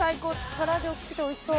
唐揚げ大きくておいしそう。